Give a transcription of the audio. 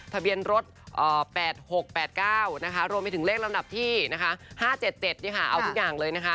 ทะเบียนรถ๘๖๘๙รวมไปถึงเลขลำดับที่๕๗๗เอาทุกอย่างเลยนะคะ